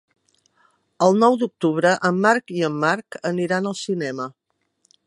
El nou d'octubre en Marc i en Marc aniran al cinema.